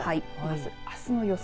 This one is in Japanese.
あすの予想